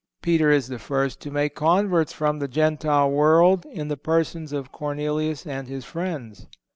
(161) Peter is the first to make converts from the Gentile world in the persons of Cornelius and his friends.